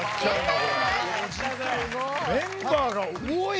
メンバーが多いもんね。